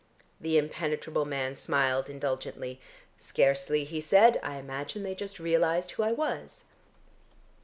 The impenetrable man smiled indulgently. "Scarcely," he said, "I imagine they just realised who I was."